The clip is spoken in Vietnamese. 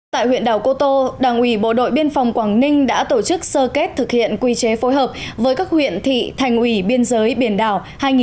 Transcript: tại huyện đảo cô tô đảng ủy bộ đội biên phòng quảng ninh đã tổ chức sơ kết thực hiện quy chế phối hợp với các huyện thị thành ủy biên giới biển đảo hai nghìn hai mươi